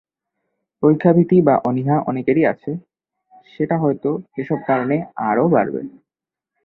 পরীক্ষাভীতি বা অনীহা অনেকেরই আছে, সেটা হয়তো এসব কারণে আরও বাড়বে।